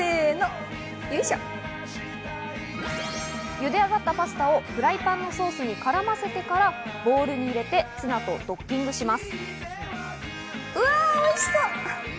茹で上がったパスタをフライパンのソースにからませてからボウルに入れてツナとドッキングします。